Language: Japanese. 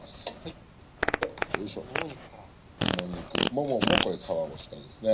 もももこれ皮を下ですね。